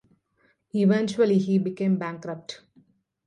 Eventually he became bankrupt.